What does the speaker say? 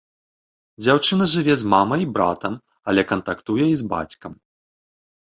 Дзяўчына жыве з мамай і братам, але кантактуе і з бацькам.